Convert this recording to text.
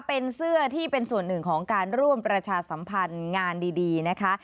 เป็นเสื้อที่เป็นส่วนหนึ่งของการร่วมประชาสัมพันธ์งานดีนะคะ